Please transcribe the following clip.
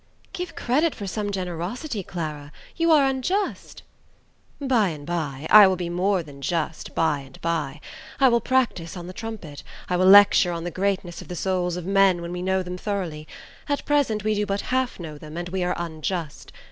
"Give credit for some generosity, Clara; you are unjust!" "By and by: I will be more than just by and by. I will practise on the trumpet: I will lecture on the greatness of the souls of men when we know them thoroughly. At present we do but half know them, and we are unjust.